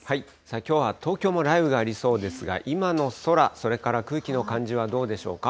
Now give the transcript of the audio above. きょうは東京も雷雨がありそうですが、今の空、それから空気の感じはどうでしょうか。